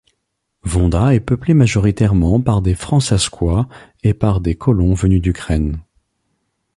Vonda est peuplé majoritairement par des Fransaskois et par des colons venus d'Ukraine.